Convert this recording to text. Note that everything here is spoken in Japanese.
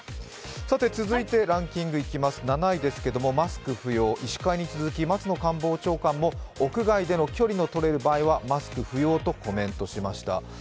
続いてランキングいきます、７位ですけれども、マスク不要、医師会に続き松野官房長官も屋外での距離の取れる場合はマスク不要とコメントしました。